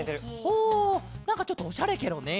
おなんかちょっとおしゃれケロね。